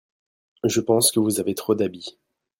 Je pense que vous avez trop d'habits.